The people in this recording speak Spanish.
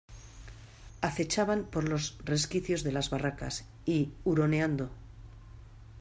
acechaban por los resquicios de las barracas, y , huroneando